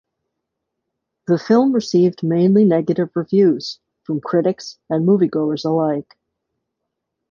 The film received mainly negative reviews from critics and moviegoers alike.